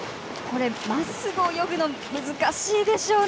まっすぐ泳ぐの難しいでしょうね。